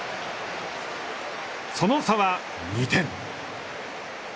その差は２点。